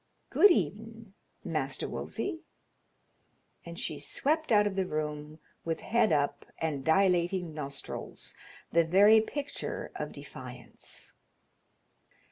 Good even', Master Wolsey." And she swept out of the room with head up and dilating nostrils, the very picture of defiance.